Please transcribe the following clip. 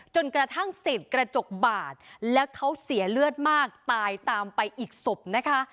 จนกระทั่งเศษกระจกบาดแล้วเขาเสียเลือดมากตายตามไปอีกศพนะคะ